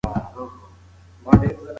د شکرې کمښت د دماغ روغتیا ښه کوي.